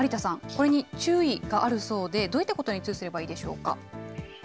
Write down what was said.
これに注意があるそうで、どういったことに注意すればいいでしょうか。